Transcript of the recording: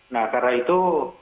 nah karena itu